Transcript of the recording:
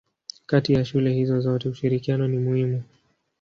Kati ya shule hizo zote ushirikiano ni muhimu.